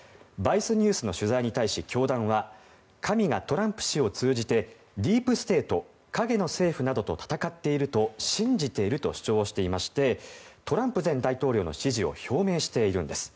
ＶＩＣＥＮｅｗｓの取材に対し教団は神がトランプ氏を通じてディープステートや影の政府などと戦っていると信じていると主張をしていましてトランプ前大統領の支持を表明しているんです。